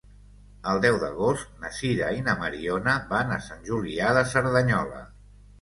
El deu d'agost na Sira i na Mariona van a Sant Julià de Cerdanyola.